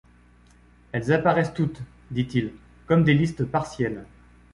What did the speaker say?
Elles apparaissent toutes, dit-il, comme des listes partielles.